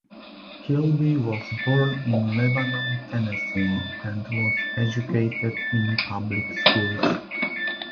Kilby was born in Lebanon, Tennessee, and was educated in public schools.